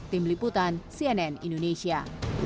tim liputan cnn indonesia